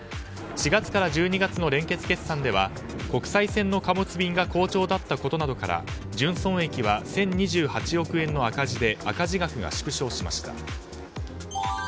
４月から１２月の連結決算では国際線の貨物便が好調だったことなどから純損益は１０２８億円の赤字で赤字額が縮小しました。